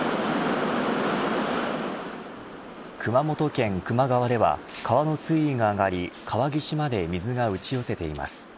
熊本県球磨川では川の水位が上がり、川岸まで水が打ち寄せています。